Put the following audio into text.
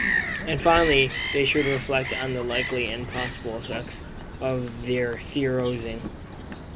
And finally, they should reflect on the likely and possible effects of their theorising.